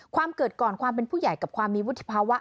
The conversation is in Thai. เกิดก่อนความเป็นผู้ใหญ่กับความมีวุฒิภาวะ